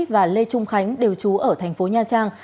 và lê trung khánh đều trú ở tp nha trang